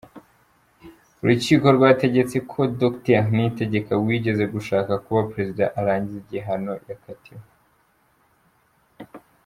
Urukiko rwategetse ko Dr Niyitegeka wigeze gushaka kuba Perezida arangiza igihano yahakatiwe.